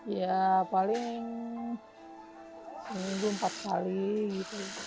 ya paling seminggu empat kali gitu